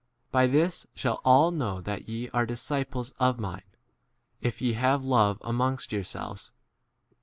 By this shall all know that ye are disciples of mine, if ye have love amongst 36 yourselves.